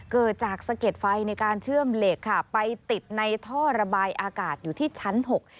เกิดจากสะเก็ดไฟในการเชื่อมเหล็กค่ะไปติดในท่อระบายอากาศอยู่ที่ชั้นหก